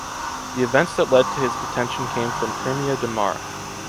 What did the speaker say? The events that led to his detention came from Premià de Mar.